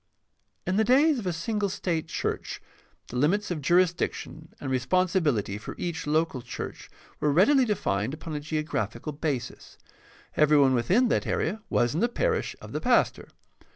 — In the days of a single state church the limits of jurisdiction and responsibility for each local church were readily defined upon a geographical basis. Everyone within that area was in the parish of the pastor.